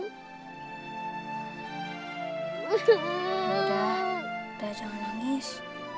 yaudah udah jangan nangis